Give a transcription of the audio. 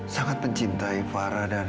sangat mencintai farah dan